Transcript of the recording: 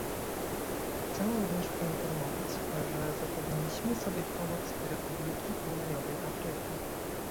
Chcę również poinformować, że zapewniliśmy sobie pomoc Republiki Południowej Afryki